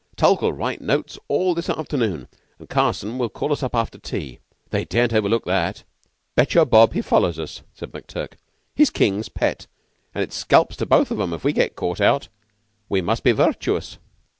Tulke'll write notes all this afternoon, and Carson will call us up after tea. They daren't overlook that." "Bet you a bob he follows us!" said McTurk. "He's King's pet, and it's scalps to both of 'em if we're caught out. We must be virtuous."